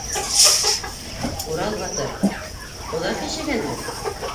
Урал батыр... оҙаҡ йәшәгәнме?